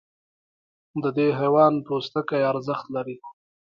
د دې حیوان پوستکی ارزښت لري.